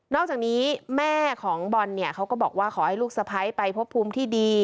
อกจากนี้แม่ของบอลเนี่ยเขาก็บอกว่าขอให้ลูกสะพ้ายไปพบภูมิที่ดี